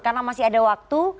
karena masih ada waktu